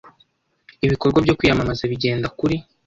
ibikorwa byo kwiyamamaza bigenda kuri